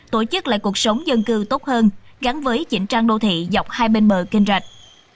tổ chức lại cuộc sống dân cư tốt hơn gắn với chỉnh trang đô thị dọc hai bên bờ kênh rạch